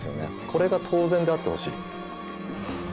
これが当然であってほしい。